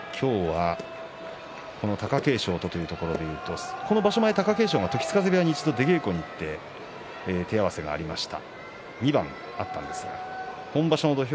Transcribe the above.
今日は貴景勝というところで言うとこの場所前貴景勝が一度時津風部屋に出稽古に行って手合わせがありました。